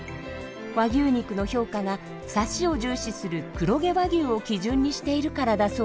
和牛肉の評価がサシを重視する黒毛和牛を基準にしているからだそうです。